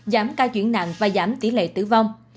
giảm ca chuyển nặng và giảm tỷ lệ tử vong